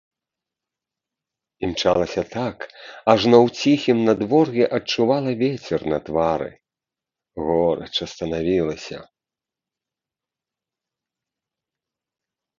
Імчалася так, ажно ў ціхім надвор'і адчувала вецер на твары, горача станавілася.